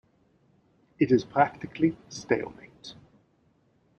It is practically stalemate.